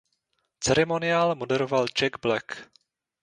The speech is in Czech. Ceremoniál moderoval Jack Black.